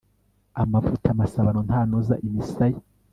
amavuta masabano ntanoza imisaya